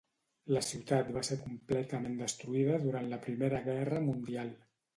La ciutat va ser completament destruïda durant la Primera Guerra Mundial.